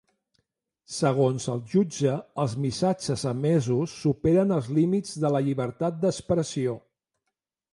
Segons el jutge, els missatges emesos superen els límits de la llibertat d’expressió.